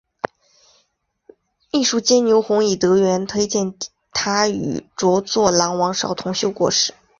秘书监牛弘以德源推荐他与着作郎王邵同修国史。